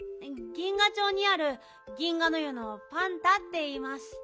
銀河町にある銀河の湯のパンタっていいます。